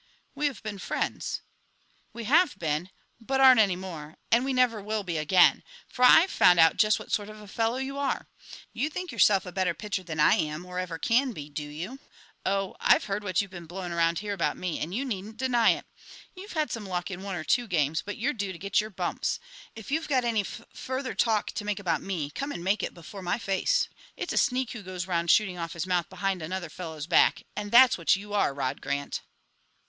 "We have been friends." "We have been, but aren't any more, and we never will be again; for I've found out just what sort of a fellow you are. You think yourself a better pitcher than I am or ever can be, do you? Oh, I've heard what you've been blowing around here about me, and you needn't deny it. You've had some luck in one or two games, but you're due to get your bumps. If you've got any fuf further talk to make about me, come and make it before my face. It's a sneak who goes round shooting off his mouth behind another fellow's back and that's what you are, Rod Grant!"